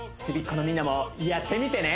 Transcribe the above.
このみんなもやってみてね！